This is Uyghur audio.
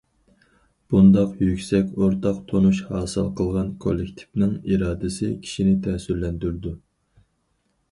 -- بۇنداق يۈكسەك ئورتاق تونۇش ھاسىل قىلغان كوللېكتىپنىڭ ئىرادىسى كىشىنى تەسىرلەندۈرىدۇ.